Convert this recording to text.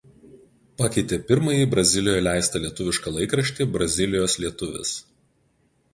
Pakeitė pirmąjį Brazilijoje leistą lietuvišką laikraštį „Brazilijos lietuvis“.